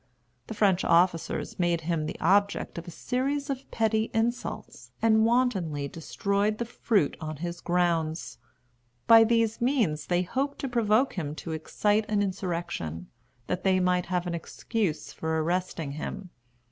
The French officers made him the object of a series of petty insults, and wantonly destroyed the fruit on his grounds. By these means they hoped to provoke him to excite an insurrection, that they might have an excuse for arresting him.